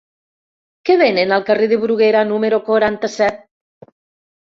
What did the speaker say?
Què venen al carrer de Bruguera número quaranta-set?